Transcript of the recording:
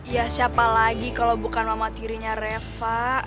ya siapa lagi kalau bukan mama tirinya reva